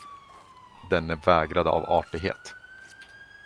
Denne vägrade av artighet.